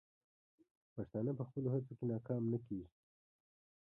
پښتانه په خپلو هڅو کې ناکام نه کیږي.